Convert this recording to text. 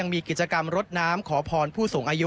มีกิจกรรมรดน้ำขอพรผู้สูงอายุ